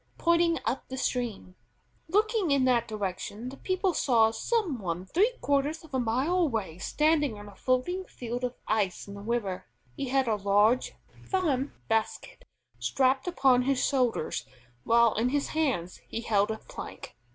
pointing up the stream. Looking in that direction, the people saw some one three quarters of a mile away standing on a floating field of ice in the river. He had a large farm basket strapped upon his shoulders, while in his hands he held a plank.